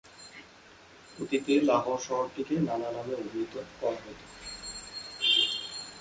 অতীতে লাহোর শহরটিকে নানা নামে অভিহিত করা হত।